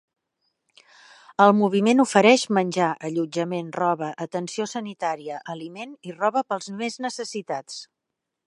El moviment ofereix: menjar, allotjament, roba, atenció sanitària, aliment, i roba pels més necessitats.